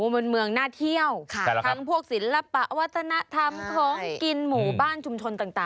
มันเมืองน่าเที่ยวทั้งพวกศิลปะวัฒนธรรมของกินหมู่บ้านชุมชนต่าง